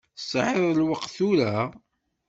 Tesɛiḍ lweqt tura?